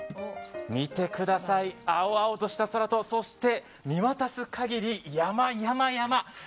見てください青々とした空とそして見渡す限り、山、山、山！